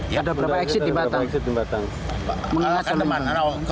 ya ada beberapa eksik di batang